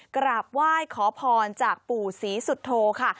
กราบไหว้ขอพรจากปู่ศรีสุโธค่ะ